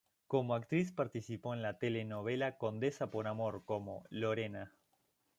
Como actriz, participó en la telenovela "Condesa por Amor" como Lorena.